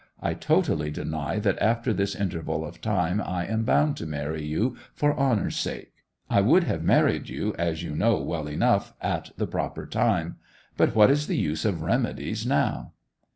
I totally deny that after this interval of time I am bound to marry you for honour's sake. I would have married you, as you know well enough, at the proper time. But what is the use of remedies now?